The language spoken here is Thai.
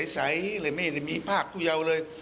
ใสเลยไม่ได้มีภาคผู้เยาว์เลย